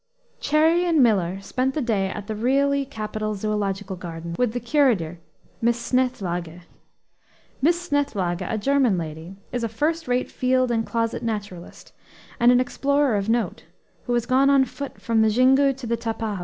Cherrie and Miller spent the day at the really capital zoological gardens, with the curator, Miss Snethlage. Miss Snethlage, a German lady, is a first rate field and closet naturalist, and an explorer of note, who has gone on foot from the Xingu to the Tapajos.